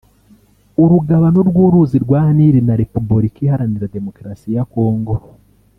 urugabano rw’uruzi rwa Nil na Repubulika Iharanira Demokarasi ya Congo